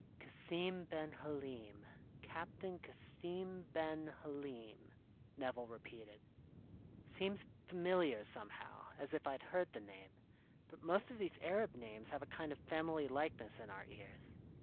"Cassim ben Halim Captain Cassim ben Halim," Nevill repeated. "Seems familiar somehow, as if I'd heard the name; but most of these Arab names have a kind of family likeness in our ears.